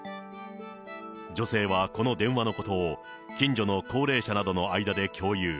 女性はこの電話のことを近所の高齢者などの間で共有。